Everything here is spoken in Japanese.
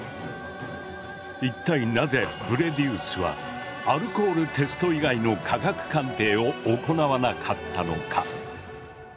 一体なぜブレディウスはアルコールテスト以外の科学鑑定を行わなかったのか？